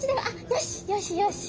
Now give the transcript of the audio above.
よしよし。